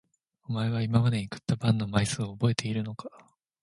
お前は今まで食ったパンの枚数を覚えているのか？